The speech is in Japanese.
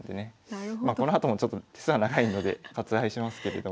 まあこのあともちょっと手数は長いので割愛しますけれども。